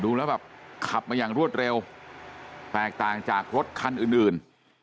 แล้วแบบขับมาอย่างรวดเร็วแตกต่างจากรถคันอื่น